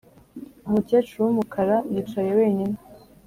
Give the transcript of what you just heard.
umukecuru wumukara yicaye wenyine